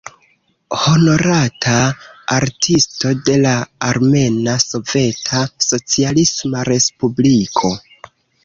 Honorata Artisto de la Armena Soveta Socialisma Respubliko.